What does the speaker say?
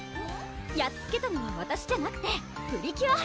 やっつけたのはわたしじゃなくてプリキュア！